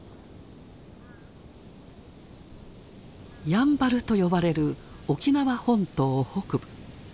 やんばると呼ばれる沖縄本島北部。